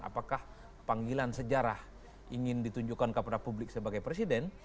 apakah panggilan sejarah ingin ditunjukkan kepada publik sebagai presiden